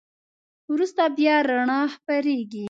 وروسته بیا رڼا خپرېږي.